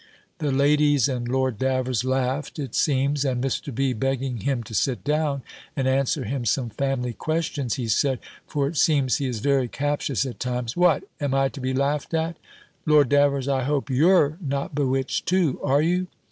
The ladies and Lord Davers laughed, it seems; and Mr. B. begging him to sit down, and answer him some family questions, he said, (for it seems he is very captious at times), "What, am I to be laughed at! Lord Davers, I hope you're not bewitched, too, are you?"